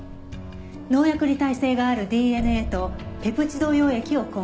農薬に耐性があるＤＮＡとペプチド溶液を混合したもの。